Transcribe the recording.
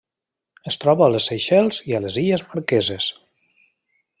Es troba a les Seychelles i a les Illes Marqueses.